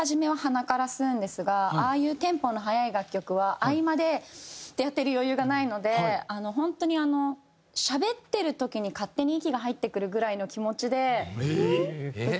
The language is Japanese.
ああいうテンポの速い楽曲は合間でスーッてやってる余裕がないので本当にしゃべってる時に勝手に息が入ってくるぐらいの気持ちで歌っているような気がします。